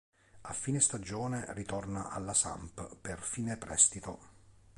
A fine stagione ritorna alla Samp per fine prestito.